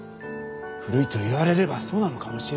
古いと言われればそうなのかもしれない。